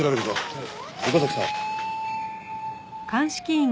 はい。